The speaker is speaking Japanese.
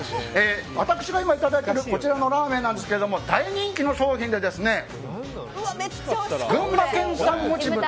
私が今、いただいているこちらのラーメンですが大人気の商品で群馬県産もち豚